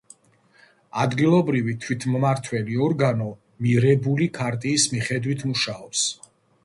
ადგილობრივი თვითმმართველი ორგანო მირებული ქარტიის მიხედვით მუშაობს.